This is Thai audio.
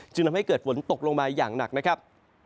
ทำให้เกิดฝนตกลงมาอย่างหนักนะครับ